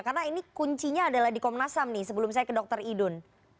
karena ini kuncinya adalah di komnasam nih sebelum saya ke dr idun